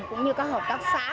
cũng như các hợp tác xã